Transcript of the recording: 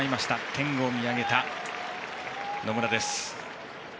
天を見上げた野村です。